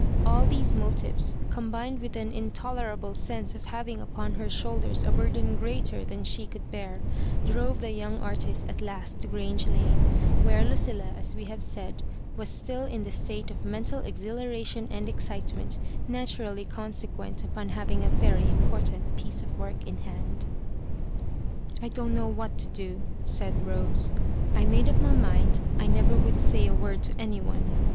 All these motives, combined with an intolerable sense of bisiving upon her shoulders a burden greater than she could bear, drove the young artist at last to Grange Lane, where Lucilla, as we have said, was still in the state of mental exhilaration and excitement na turally consequent upon having a very import ant piece of work in hand. "I don't know what to do," said Rose; "I made up my mind I never would say a word to any one.